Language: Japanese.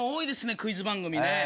クイズ番組ね。